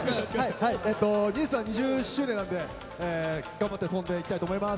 ＮＥＷＳは２０周年なので頑張って飛んでいきたいと思います。